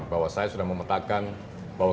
bahwa saya sudah memetakan bahwa